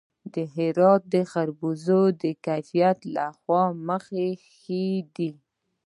د هرات خربوزې د کیفیت له مخې ښې دي.